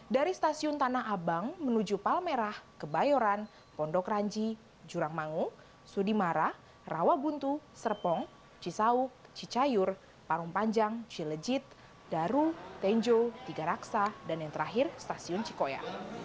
dari stasiun tanah abang menuju palmerah kebayoran pondok ranji jurangmangu sudimara rawabuntu serpong cisauk cicayur parung panjang cilejit daru tenjo tiga raksa dan yang terakhir stasiun cikoya